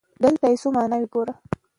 دلته يې څو ماناوې ګورو.